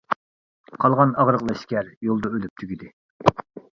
قالغان ئاغرىق لەشكەر يولدا ئۆلۈپ تۈگىدى.